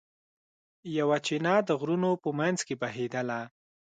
یوه چینه د غرونو په منځ کې بهېدله.